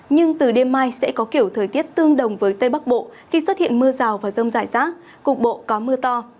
nhưng từ đêm mai sẽ có kiểu thời tiết tương đồng với tây bắc bộ khi xuất hiện mưa rào và rông rải rác cục bộ có mưa to